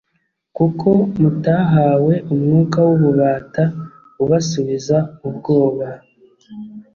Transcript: Kuko mutahawe umwuka w'ububata ubasubiza mu bwoba;